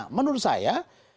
nah menurut saya